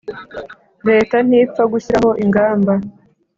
Leta ntipfa gushyiraho ingamba